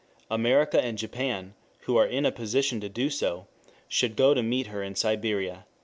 America and Japan, who are in a position to do so, should go to meet her in Siberia."